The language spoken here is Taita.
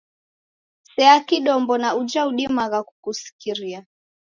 Sea kidombo na uja udimagha kukusikira.